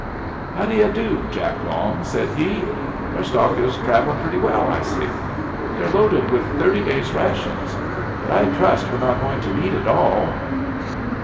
"How d'ye do, Jack Long?" said he. "Your stock is travelling pretty well, I see. They're loaded with thirty days' rations, but I trust we're not going to need it all."